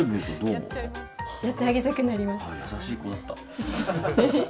やってあげたくなります。